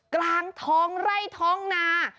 กลางท้องไร่ท้องนา